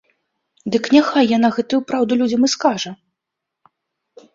Дык няхай яна гэтую праўду людзям і скажа!